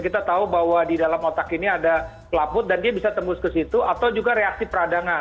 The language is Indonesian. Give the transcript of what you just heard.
kita tahu bahwa di dalam otak ini ada pelaput dan dia bisa tembus ke situ atau juga reaksi peradangan